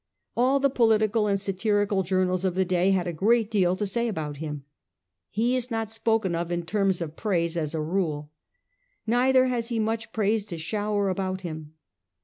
All the political and satirical journals of the day had a great deal to say about him. He is not spoken of in terms of praise as a rule. Neither has he much praise to shower about him.